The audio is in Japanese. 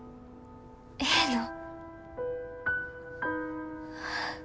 ええの？